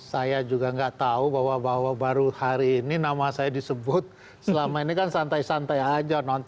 saya juga nggak tahu bahwa baru hari ini nama saya disebut selama ini kan santai santai aja